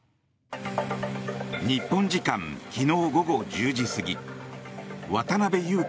日本時間昨日午後１０時過ぎ渡邉優樹